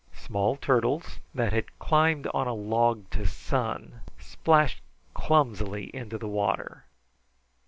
Small turtles, that had climbed on a log to sun, splashed clumsily into the water.